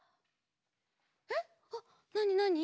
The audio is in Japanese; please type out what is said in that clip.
えっ？あっなになに？